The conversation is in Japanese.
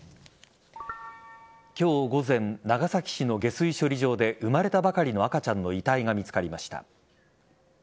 今日午前、長崎市の下水処理場で生まれたばかりの赤ちゃんの遺体が見つかりました。